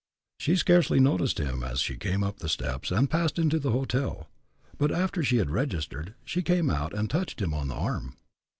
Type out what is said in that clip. She scarcely noticed him as she came up the steps and passed into the hotel; but, after she had registered, she came out, and touched him on the arm.